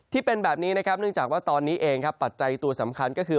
ที่เป็นแบบนี้นะครับเนื่องจากว่าตอนนี้เองครับปัจจัยตัวสำคัญก็คือ